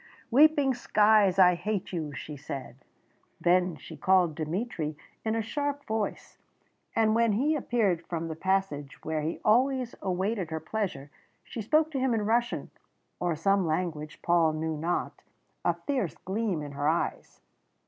"Weeping skies, I hate you!" she said. Then she called Dmitry in a sharp voice, and when he appeared from the passage where he always awaited her pleasure, she spoke to him in Russian, or some language Paul knew not, a fierce gleam in her eyes.